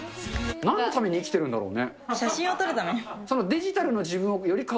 なんのために生きてるんだろうね。